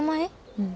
うん。